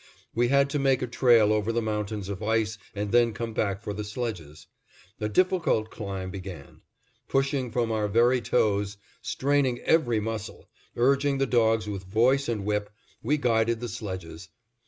We had to make a trail over the mountains of ice and then come back for the sledges. A difficult climb began. Pushing from our very toes, straining every muscle, urging the dogs with voice and whip, we guided the sledges.